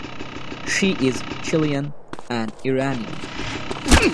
She is Chilean and Iranian.